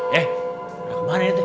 hei pada dari mana ini teh